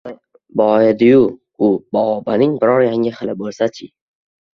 boediyu u baobabning biror yangi xili bo‘lsa-chi?